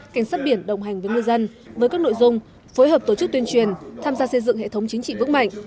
cảnh sát biển đồng hành với ngư dân với các nội dung phối hợp tổ chức tuyên truyền tham gia xây dựng hệ thống chính trị vững mạnh